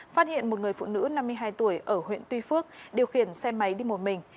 phát hiện một người phụ nữ năm mươi hai tuổi ở huyện tuy phước điều khiển xe máy đi một mình